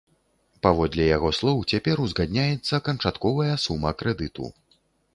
Паводле яго слоў, цяпер узгадняецца канчатковая сума крэдыту.